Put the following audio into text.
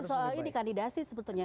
soal ini kandidasi sebetulnya